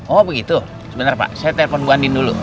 oh begitu sebentar pak saya telpon bu andin dulu